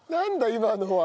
今のは。